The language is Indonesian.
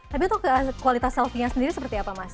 tapi untuk kualitas selfie nya sendiri seperti apa mas